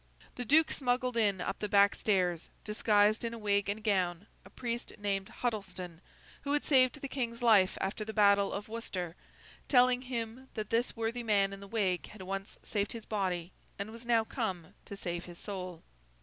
The Duke smuggled in, up the back stairs, disguised in a wig and gown, a priest named Huddleston, who had saved the King's life after the battle of Worcester: telling him that this worthy man in the wig had once saved his body, and was now come to save his soul.